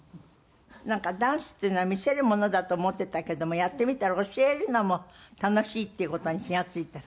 なんかダンスっていうのは見せるものだと思ってたけどもやってみたら教えるのも楽しいっていう事に気が付いた？